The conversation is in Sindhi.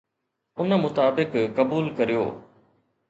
ان مطابق قبول ڪريو